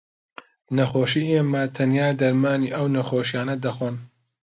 نەخۆشی ئێمە تەنیا دەرمانی ئەو نەخۆشییانە دەخۆن